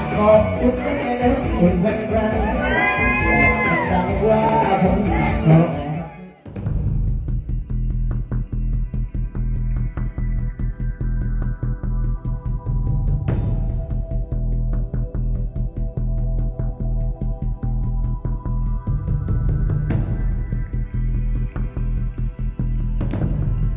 วิ่งที่ที่เราพอใช้มันจะไม่อยากงานให้โบราณอื่นของเรา